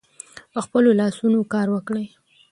په خپلو لاسونو کار وکړئ.